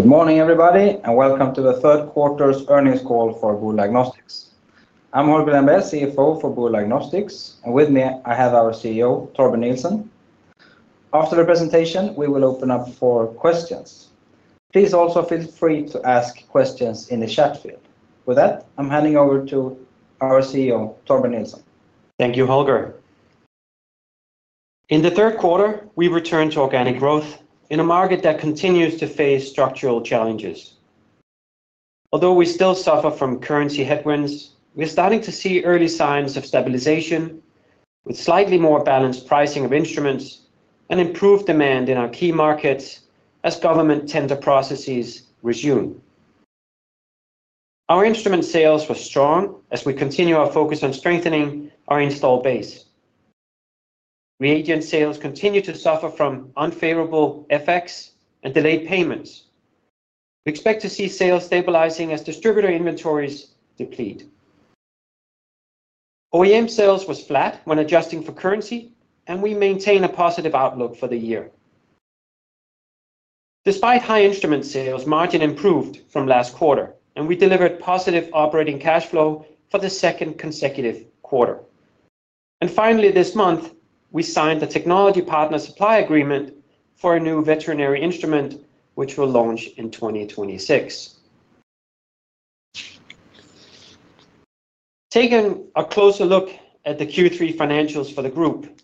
Good morning, everybody, and welcome to the third quarter's earnings call for Boule Diagnostics. I'm Holger Lembrér, CFO for Boule Diagnostics, and with me, I have our CEO, Torben Nielsen. After the presentation, we will open up for questions. Please also feel free to ask questions in the chat field. With that, I'm handing over to our CEO, Torben Nielsen. Thank you, Holger. In the third quarter, we've returned to organic growth in a market that continues to face structural challenges. Although we still suffer from currency headwinds, we're starting to see early signs of stabilization, with slightly more balanced pricing of instruments and improved demand in our key markets as government tender processes resume. Our instrument sales were strong as we continue our focus on strengthening our install base. Reagent sales continue to suffer from unfavorable effects and delayed payments. We expect to see sales stabilizing as distributor inventories deplete. OEM sales were flat when adjusting for currency, and we maintain a positive outlook for the year. Despite high instrument sales, margin improved from last quarter, and we delivered positive operating cash flow for the second consecutive quarter. Finally, this month, we signed the technology partner supply agreement for a new veterinary instrument, which will launch in 2026. Taking a closer look at the Q3 financials for the group,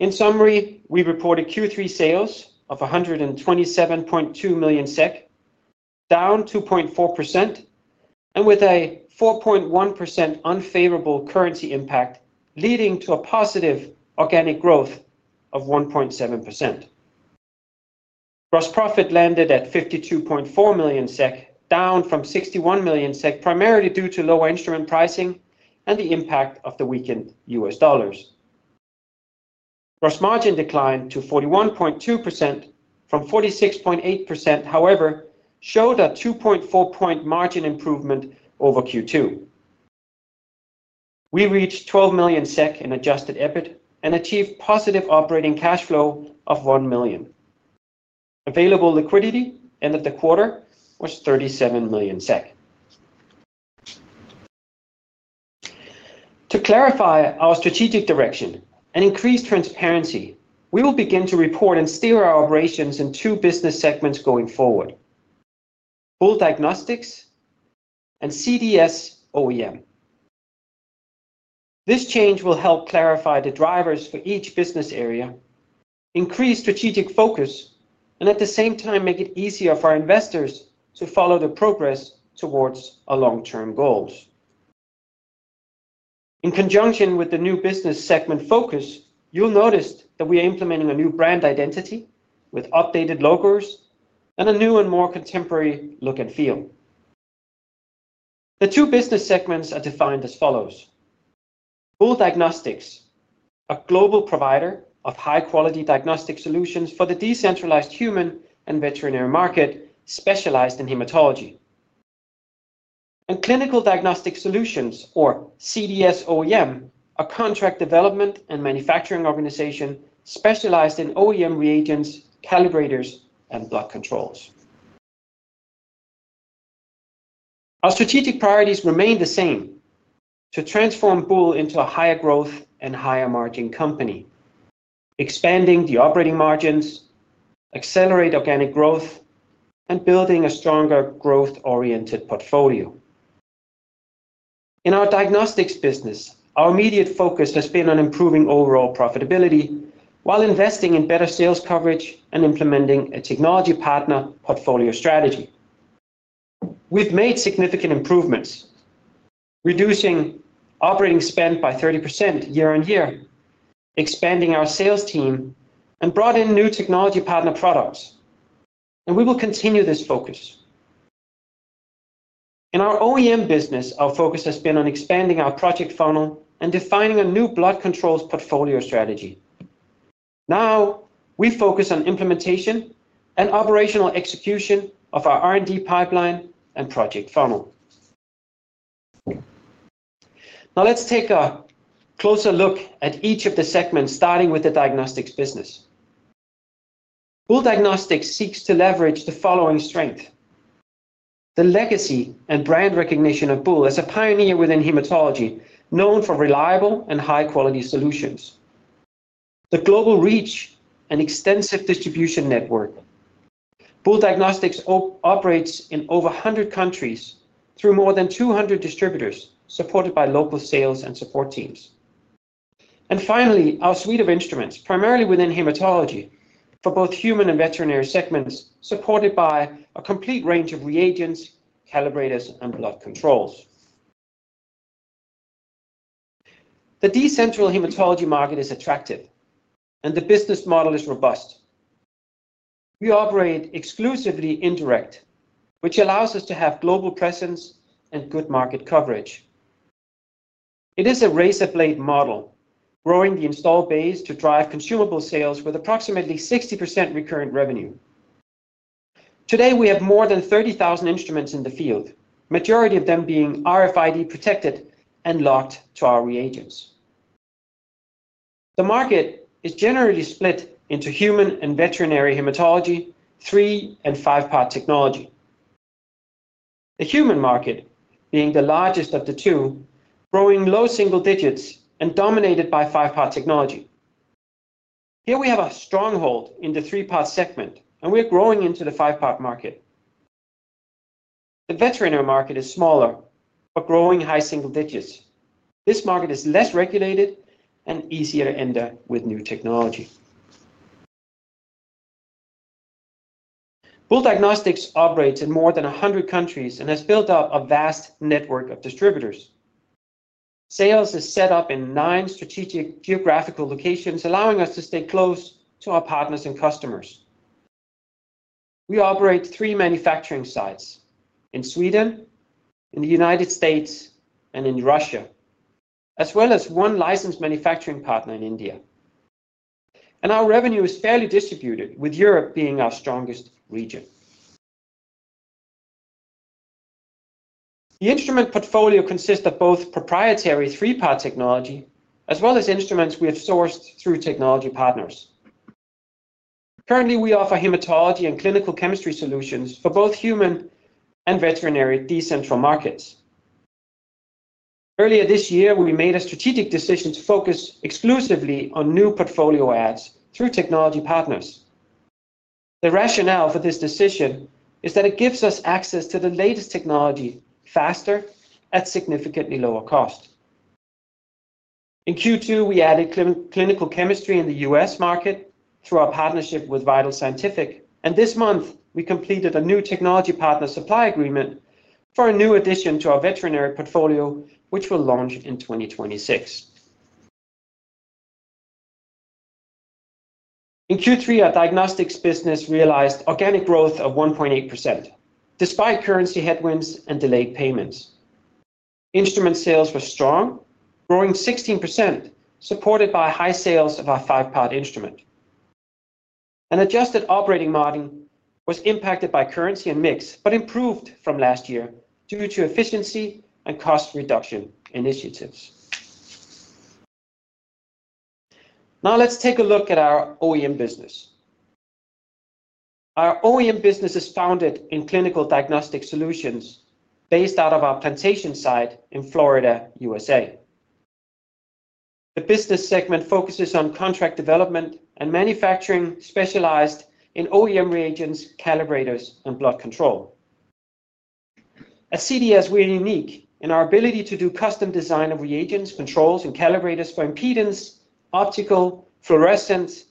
in summary, we reported Q3 sales of 127.2 million SEK, down 2.4%, and with a 4.1% unfavorable currency impact, leading to a positive organic growth of 1.7%. Gross profit landed at 52.4 million SEK, down from 61 million SEK, primarily due to lower instrument pricing and the impact of the weakened U.S. dollars. Gross margin declined to 41.2% from 46.8%, however, it showed a 2.4-point margin improvement over Q2. We reached 12 million SEK in adjusted EBIT and achieved positive operating cash flow of 1 million. Available liquidity end of the quarter was 37 million SEK. To clarify our strategic direction and increase transparency, we will begin to report and steer our operations in two business segments going forward: Boule Diagnostics and CDS OEM. This change will help clarify the drivers for each business area, increase strategic focus, and at the same time, make it easier for investors to follow the progress towards our long-term goals. In conjunction with the new business segment focus, you'll notice that we are implementing a new brand identity with updated logos and a new and more contemporary look and feel. The two business segments are defined as follows. Boule Diagnostics, a global provider of high-quality diagnostic solutions for the decentralized human and veterinary market, specialized in hematology. Clinical Diagnostic Solutions, or CDS OEM, a contract development and manufacturing organization specialized in OEM reagents, calibrators, and blood controls. Our strategic priorities remain the same: to transform Boule into a higher-growth and higher-margin company, expanding the operating margins, accelerate organic growth, and building a stronger growth-oriented portfolio. In our diagnostics business, our immediate focus has been on improving overall profitability while investing in better sales coverage and implementing a technology partner portfolio strategy. We have made significant improvements, reducing operating spend by 30% year-on-year, expanding our sales team, and brought in new technology partner products. We will continue this focus. In our OEM business, our focus has been on expanding our project funnel and defining a new blood controls portfolio strategy. Now, we focus on implementation and operational execution of our R&D pipeline and project funnel. Now, let's take a closer look at each of the segments, starting with the diagnostics business. Boule Diagnostics seeks to leverage the following strengths: the legacy and brand recognition of Boule as a pioneer within hematology, known for reliable and high-quality solutions, the global reach and extensive distribution network. Boule Diagnostics operates in over 100 countries through more than 200 distributors, supported by local sales and support teams. Finally, our suite of instruments, primarily within hematology, for both human and veterinary segments, supported by a complete range of reagents, calibrators, and blood controls. The decentral hematology market is attractive, and the business model is robust. We operate exclusively indirect, which allows us to have global presence and good market coverage. It is a razor-blade model, growing the install base to drive consumable sales with approximately 60% recurrent revenue. Today, we have more than 30,000 instruments in the field, the majority of them being RFID-protected and locked to our reagents. The market is generally split into human and veterinary hematology, three and five-part technology. The human market being the largest of the two, growing low single digits and dominated by five-part technology. Here, we have a stronghold in the three-part segment, and we're growing into the five-part market. The veterinary market is smaller but growing high single digits. This market is less regulated and easier to enter with new technology. Boule Diagnostics operates in more than 100 countries and has built up a vast network of distributors. Sales are set up in nine strategic geographical locations, allowing us to stay close to our partners and customers. We operate three manufacturing sites: in Sweden, in the United States, and in Russia, as well as one licensed manufacturing partner in India. Our revenue is fairly distributed, with Europe being our strongest region. The instrument portfolio consists of both proprietary three-part technology as well as instruments we have sourced through technology partners. Currently, we offer hematology and clinical chemistry solutions for both human and veterinary decentral markets. Earlier this year, we made a strategic decision to focus exclusively on new portfolio adds through technology partners. The rationale for this decision is that it gives us access to the latest technology faster at significantly lower cost. In Q2, we added clinical chemistry in the U.S. market through our partnership with Vital Scientific, and this month, we completed a new technology partner supply agreement for a new addition to our veterinary portfolio, which will launch in 2026. In Q3, our diagnostics business realized organic growth of 1.8%, despite currency headwinds and delayed payments. Instrument sales were strong, growing 16%, supported by high sales of our five-part instrument. An adjusted operating margin was impacted by currency and mix, but improved from last year due to efficiency and cost reduction initiatives. Now, let's take a look at our OEM business. Our OEM business is founded in Clinical Diagnostic Solutions based out of our plantation site in Florida, U.S. The business segment focuses on contract development and manufacturing, specialized in OEM reagents, calibrators, and blood control. At CDS, we are unique in our ability to do custom design of reagents, controls, and calibrators for impedance, optical, fluorescence,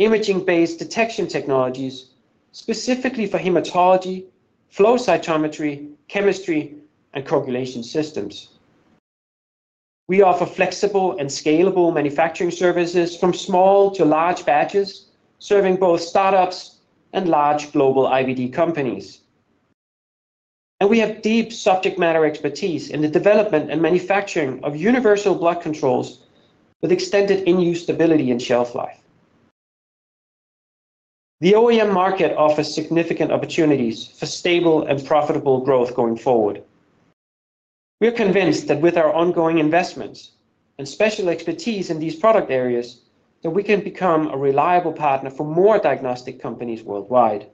imaging-based detection technologies, specifically for hematology, flow cytometry, chemistry, and coagulation systems. We offer flexible and scalable manufacturing services from small to large batches, serving both startups and large global IVD companies. We have deep subject matter expertise in the development and manufacturing of universal blood controls with extended in-use stability and shelf life. The OEM market offers significant opportunities for stable and profitable growth going forward. We're convinced that with our ongoing investments and special expertise in these product areas, that we can become a reliable partner for more diagnostic companies worldwide.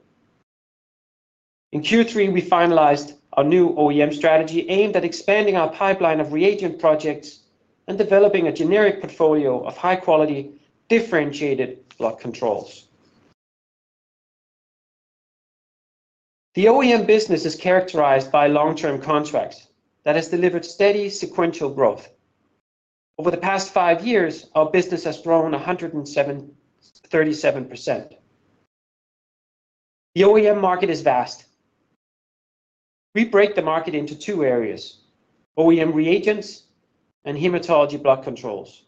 In Q3, we finalized our new OEM strategy aimed at expanding our pipeline of reagent projects and developing a generic portfolio of high-quality, differentiated blood controls. The OEM business is characterized by long-term contracts that have delivered steady, sequential growth. Over the past five years, our business has grown 137%. The OEM market is vast. We break the market into two areas: OEM reagents and hematology blood controls.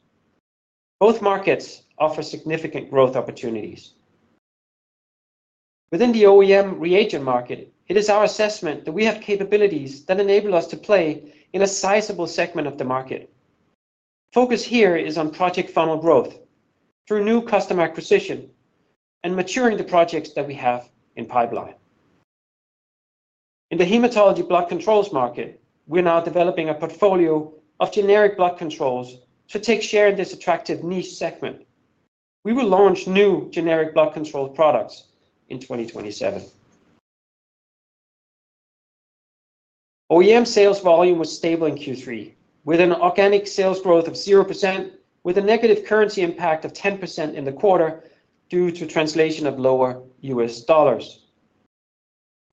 Both markets offer significant growth opportunities. Within the OEM reagent market, it is our assessment that we have capabilities that enable us to play in a sizable segment of the market. Focus here is on project funnel growth through new customer acquisition and maturing the projects that we have in the pipeline. In the hematology blood controls market, we're now developing a portfolio of generic blood controls to take share in this attractive niche segment. We will launch new generic blood control products in 2027. OEM sales volume was stable in Q3, with an organic sales growth of 0%, with a negative currency impact of 10% in the quarter due to translation of lower U.S. dollars.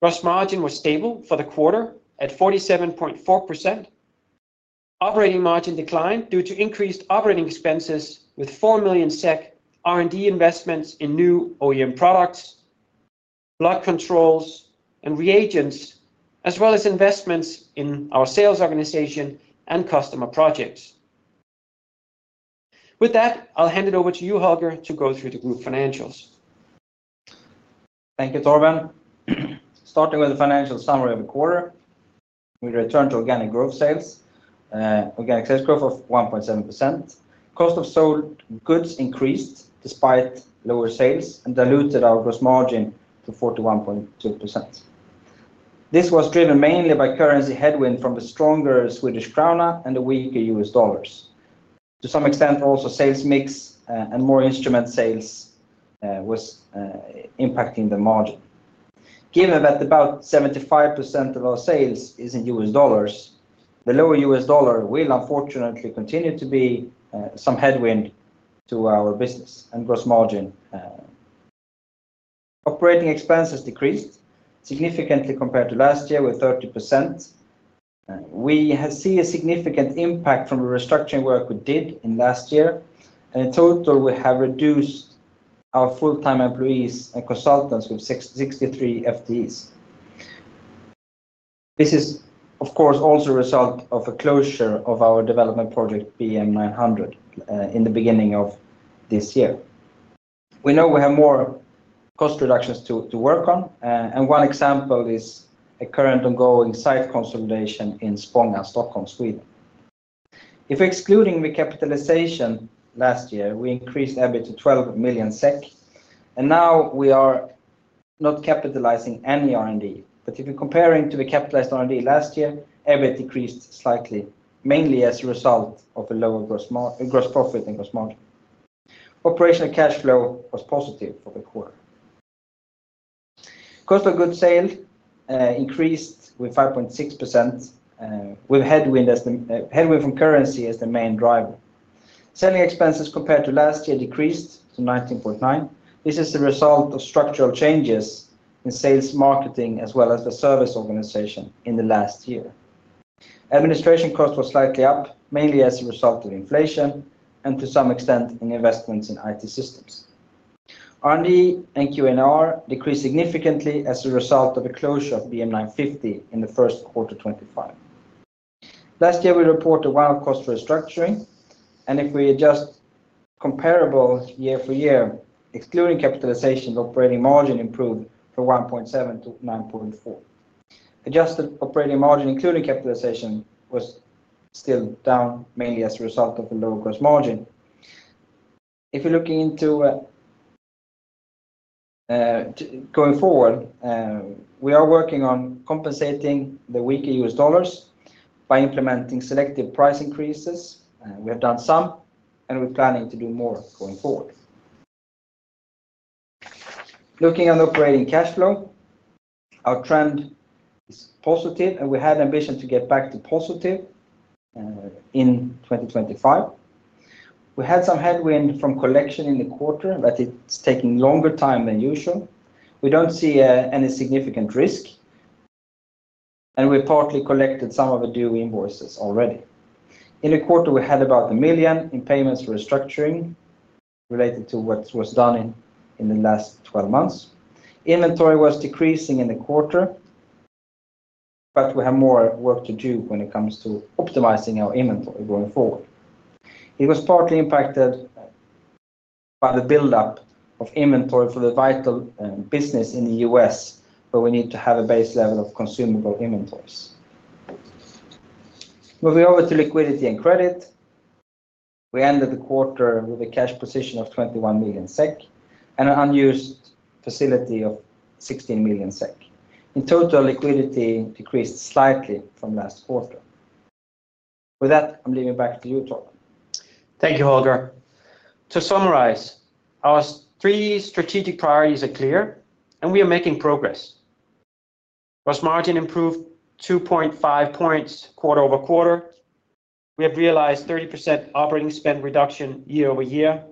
Gross margin was stable for the quarter at 47.4%. Operating margin declined due to increased operating expenses, with 4 million SEK R&D investments in new OEM products, blood controls, and reagents, as well as investments in our sales organization and customer projects. With that, I'll hand it over to you, Holger, to go through the group financials. Thank you, Torben. Starting with the financial summary of the quarter, we returned to organic sales growth of 1.7%. Cost of sold goods increased despite lower sales and diluted our gross margin to 41.2%. This was driven mainly by currency headwind from the stronger Swedish krona and the weaker U.S. dollars. To some extent, also, sales mix and more instrument sales was impacting the margin. Given that about 75% of our sales is in U.S. dollars, the lower U.S. dollar will unfortunately continue to be some headwind to our business and gross margin. Operating expenses decreased significantly compared to last year, with 30%. We see a significant impact from the restructuring work we did in last year, and in total, we have reduced our full-time employees and consultants with 63 FTEs. This is, of course, also a result of a closure of our development project BM-900 in the beginning of this year. We know we have more cost reductions to work on, and one example is a current ongoing site consolidation in Spånga, Stockholm, Sweden. If we're excluding recapitalization last year, we increased EBIT to 12 million SEK, and now we are not capitalizing any R&D. If you're comparing to the capitalized R&D last year, EBIT decreased slightly, mainly as a result of a lower gross profit and gross margin. Operating cash flow was positive for the quarter. Cost of goods sales increased with 5.6%, with headwind from currency as the main driver. Selling expenses compared to last year decreased to 19.9%. This is a result of structural changes in sales marketing as well as the service organization in the last year. Administration cost was slightly up, mainly as a result of inflation and to some extent in investments in IT systems. R&D and QNR decreased significantly as a result of the closure of BM-950 in the first quarter 2025. Last year, we reported wild cost restructuring, and if we adjust comparable year for year, excluding capitalization, the operating margin improved from 1.7% to 9.4%. Adjusted operating margin, including capitalization, was still down, mainly as a result of a lower gross margin. If you're looking into going forward, we are working on compensating the weaker U.S. dollars by implementing selective price increases. We have done some, and we're planning to do more going forward. Looking at operating cash flow, our trend is positive, and we had ambition to get back to positive in 2025. We had some headwind from collection in the quarter, but it's taking longer time than usual. We don't see any significant risk, and we partly collected some of the due invoices already. In the quarter, we had about 1 million in payments for restructuring related to what was done in the last 12 months. Inventory was decreasing in the quarter, but we have more work to do when it comes to optimizing our inventory going forward. It was partly impacted by the buildup of inventory for the Vital business in the U.S., where we need to have a base level of consumable inventories. Moving over to liquidity and credit, we ended the quarter with a cash position of 21 million SEK and an unused facility of 16 million SEK. In total, liquidity decreased slightly from last quarter. With that, I'm leaving it back to you, Torben. Thank you, Holger. To summarize, our three strategic priorities are clear, and we are making progress. Gross margin improved 2.5 points quarter-over-quarter. We have realized 30% operating spend reduction year-over-year.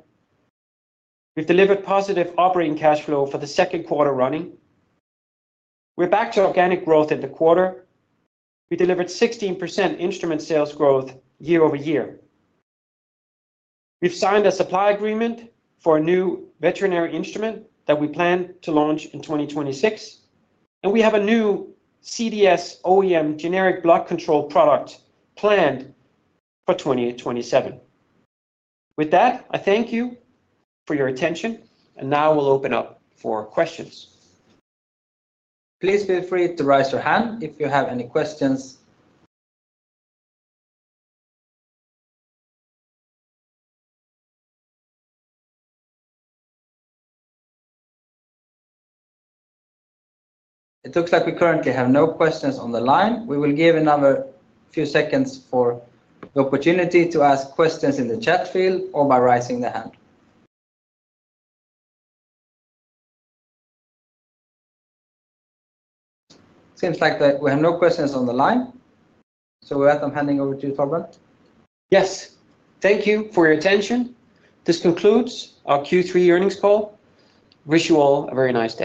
We've delivered positive operating cash flow for the second quarter running. We're back to organic growth in the quarter. We delivered 16% instrument sales growth year-over-year. We've signed a supply agreement for a new veterinary instrument that we plan to launch in 2026, and we have a new CDS OEM generic blood controls product planned for 2027. With that, I thank you for your attention, and now we'll open up for questions. Please feel free to raise your hand if you have any questions. It looks like we currently have no questions on the line. We will give another few seconds for the opportunity to ask questions in the chat field or by raising the hand. It seems like we have no questions on the line, with that, I'm handing over to you, Torben. Yes. Thank you for your attention. This concludes our Q3 earnings call. I wish you all a very nice day.